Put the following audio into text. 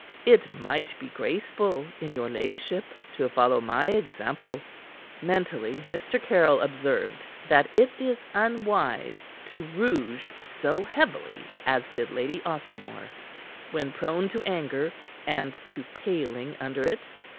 It might be graceful in your ladyship to follow my example." Mentally Mr. Caryll observed that it is unwise to rouge so heavily as did Lady Ostermore when prone to anger and to paling under it.